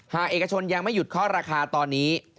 หากเอกชนยังไม่หยุดเข้าราคาตอนนี้